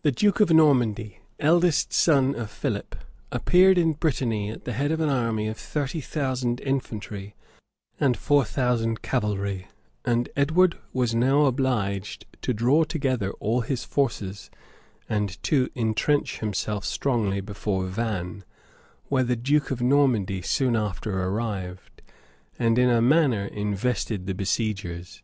The duke of Normandy, eldest son of Philip, appeared in Brittany at the head of an army of thirty thousand infantry and four thousand cavalry; and Edward was now obliged to draw together all his forces, and to intrench himself strongly before Vannes, where the duke of Normandy soon after arrived, and in a manner invested the besiegers.